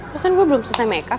pas kan gue belum selesai makeup